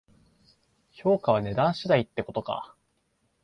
評価は値段次第ってことか